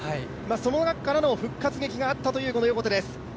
その中からの復活劇があった横手です